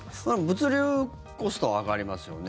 物流コストは上がりますよね。